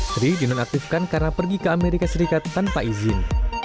sri dinonaktifkan karena pergi ke amerika serikat tanpa izin